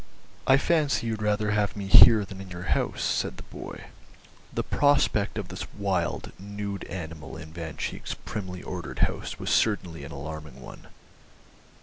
"I fancy you'd rather have me here than in your house," said the boy. The prospect of this wild, nude animal in Van Cheele's primly ordered house was certainly an alarming one.